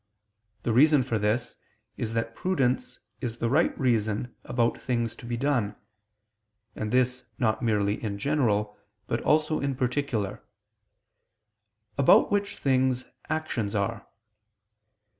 The reason for this is that prudence is the right reason about things to be done (and this, not merely in general, but also in particular); about which things actions are.